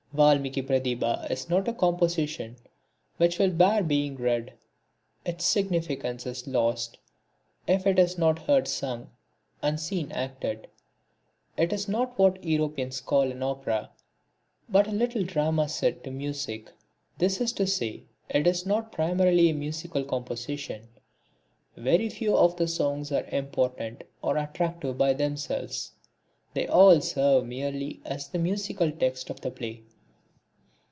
Valmiki Pratibha is not a composition which will bear being read. Its significance is lost if it is not heard sung and seen acted. It is not what Europeans call an Opera, but a little drama set to music. That is to say, it is not primarily a musical composition. Very few of the songs are important or attractive by themselves; they all serve merely as the musical text of the play.